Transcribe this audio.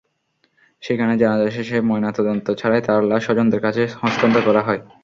সেখানে জানাজা শেষে ময়নাতদন্ত ছাড়াই তাঁর লাশ স্বজনদের কাছে হস্তান্তর করা হয়।